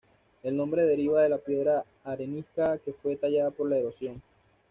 El nombre deriva de la piedra arenisca que fue tallada por la erosión.